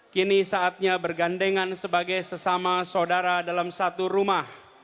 kini saatnya bergandengan sebagai sesama saudara dalam satu rumah